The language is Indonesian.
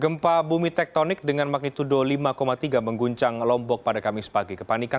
gempa bumi tektonik dengan magnitudo lima tiga mengguncang lombok pada kamis pagi kepanikan